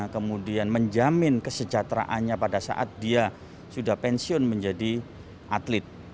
kemudian menjamin kesejahteraannya pada saat dia sudah pensiun menjadi atlet